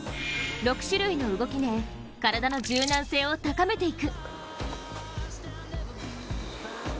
６種類の動きで体の柔軟性を高めていく。